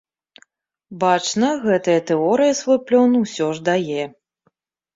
Бачна, гэтая тэорыя свой плён усё ж дае.